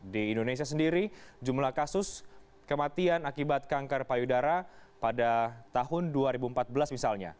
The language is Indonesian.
di indonesia sendiri jumlah kasus kematian akibat kanker payudara pada tahun dua ribu empat belas misalnya